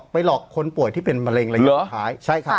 ไปหลอกคนป่วยที่เป็นมะเร็งละยกหาย